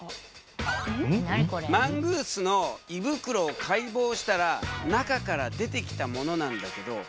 マングースの胃袋を解剖したら中から出てきたものなんだけどこれ何だと思う？